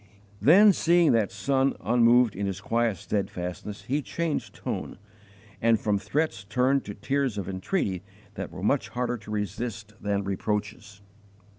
Then, seeing that son unmoved in his quiet steadfastness, he changed tone, and from threats turned to tears of entreaty that were much harder to resist than reproaches.